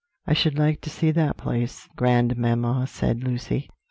"I should like to see that place, grandmamma," said Lucy.